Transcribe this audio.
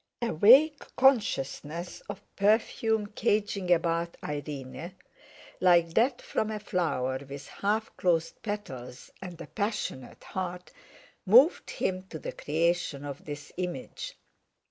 A vague consciousness of perfume caging about Irene, like that from a flower with half closed petals and a passionate heart, moved him to the creation of this image.